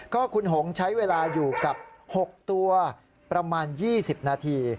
ก็คุณหงใช้เวลาอยู่กับ๖ตัวประมาณ๒๐นาที